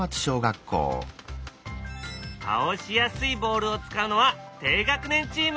倒しやすいボールを使うのは低学年チーム！